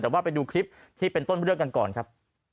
แต่ว่าไปดูคลิปที่เป็นต้นเรื่องกันก่อนครับ